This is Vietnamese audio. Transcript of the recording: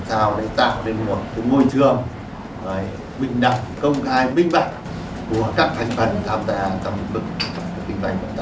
trong các kinh doanh vận tải